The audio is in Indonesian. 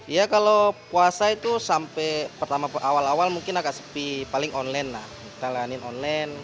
iya kalau puasa itu sampai awal awal mungkin agak sepi paling online lah kita lehankan online